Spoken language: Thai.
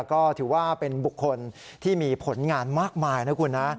ก็ถือว่าเป็นบุคคลที่มีผลงานมากมายนะคุณนะ